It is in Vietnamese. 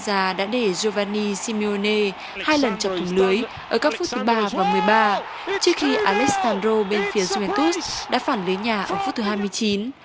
già đã để giovanni simeone hai lần chọc thủng lưới ở các phút thứ ba và một mươi ba trước khi alexandro bên phía juventus đã phản lưới nhà ở phút thứ hai mươi chín